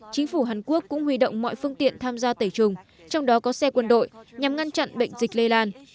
chính phủ hàn quốc cũng huy động mọi phương tiện tham gia tẩy trùng trong đó có xe quân đội nhằm ngăn chặn bệnh dịch lây lan